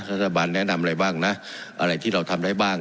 รัฐบาลแนะนำอะไรบ้างนะอะไรที่เราทำได้บ้าง